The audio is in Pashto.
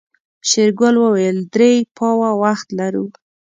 شېرګل وويل درې پاوه وخت لرو.